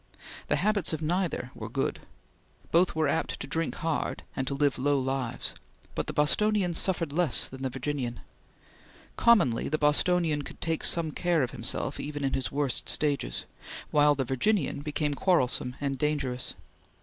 The habits of neither were good; both were apt to drink hard and to live low lives; but the Bostonian suffered less than the Virginian. Commonly the Bostonian could take some care of himself even in his worst stages, while the Virginian became quarrelsome and dangerous.